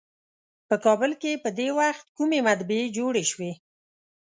په کابل کې په دې وخت کومې مطبعې جوړې شوې.